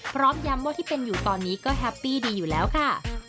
พร้อมย้ำว่าที่เป็นอยู่ตอนนี้ก็แฮปปี้ดีอยู่แล้วค่ะ